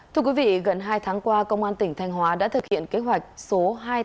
thưa quý vị gần hai tháng qua công an tỉnh thanh hóa đã thực hiện kế hoạch số hai trăm tám mươi tám